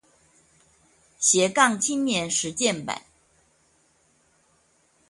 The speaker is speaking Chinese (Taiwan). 斜槓青年實踐版